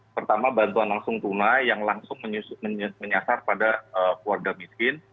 pertama bantuan langsung tunai yang langsung menyasar pada keluarga miskin